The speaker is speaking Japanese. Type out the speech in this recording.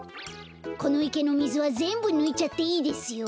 このいけのみずはぜんぶぬいちゃっていいですよ。